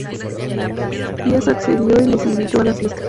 Piast accedió y les invitó a la fiesta.